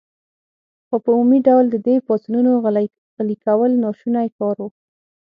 خو په عمومي ډول د دې پاڅونونو غلي کول ناشوني کار و.